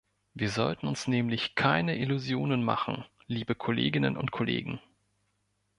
Wir sollten uns nämlich keine Illusionen machen, liebe Kolleginnen und Kollegen!